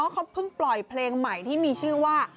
เขาเพิ่งปล่อยเพลงใหม่ที่มีชื่อว่า